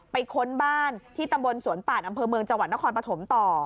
ค้นบ้านที่ตำบลสวนป่านอำเภอเมืองจังหวัดนครปฐมต่อ